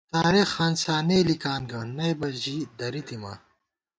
تارېخ ہانسانے لِکان گہ، نئ بہ ژی درِتِماں